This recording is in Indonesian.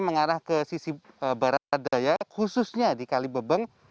mengarah ke sisi barat daya khususnya di kali bebeng